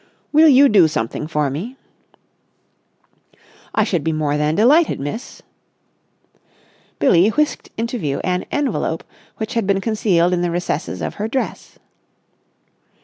"Will you do something for me?" "I should be more than delighted, miss." Billie whisked into view an envelope which had been concealed in the recesses of her dress.